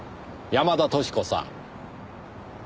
山田淑子さん。